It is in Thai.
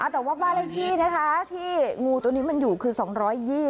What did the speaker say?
แต่ว่าบ้านเลขที่นะคะที่งูตัวนี้มันอยู่คือ๒๒๐